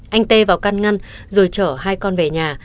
anh tê vào căn ngăn rồi chở hai con về nhà